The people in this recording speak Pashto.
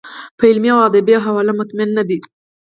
په علمي او ادبي حواله مطمین نه دی.